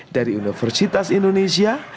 dari universitas indonesia